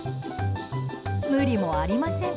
無理もありません。